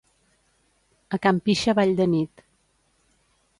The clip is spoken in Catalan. A can pixa ball de nit.